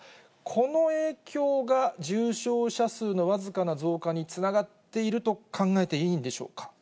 この影響が、重症者数の僅かな増加につながっていると考えていいんでしょうか。